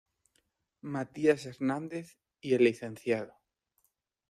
Matías Hernández y el Lic.